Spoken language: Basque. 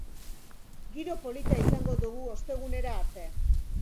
Giro polita izango dugu ostegunera arte.